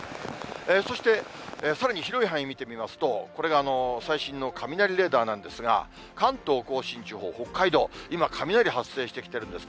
そしてさらに広い範囲見てみますと、これが最新の雷レーダーなんですが、関東甲信地方、北海道、今、雷発生してきてるんですね。